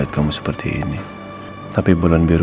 kita mesti cari kemana lagi ya